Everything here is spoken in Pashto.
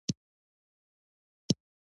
هغه باید د ځان لپاره جامې واغوندي